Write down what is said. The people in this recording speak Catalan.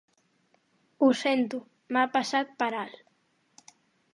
Ho sento, m'ha passat per alt.